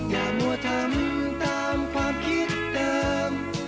อย่ามัวทำตามความคิดเดิม